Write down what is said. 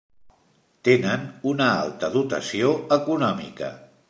Tenen una alta dotació econòmica.